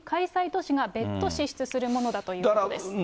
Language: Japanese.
都市が別途支出するものだということです。